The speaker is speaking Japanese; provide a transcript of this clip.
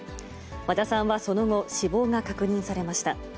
和田さんはその後、死亡が確認されました。